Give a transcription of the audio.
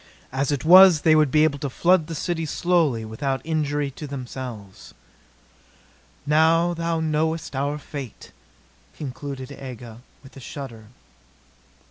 As it was they would be able to flood the city slowly, without injury to themselves. "Now thou knowest our fate," concluded Aga with a shudder.